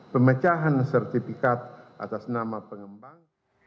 pemecahan sertifikat atas nama pengembang